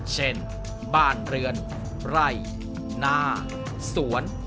เช่นบ้านเรือนไร่นาสวน